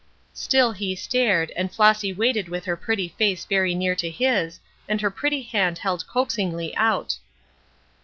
Still he stared, and Flossy waited with her pretty face very near to his, and her pretty hand held coaxingly out.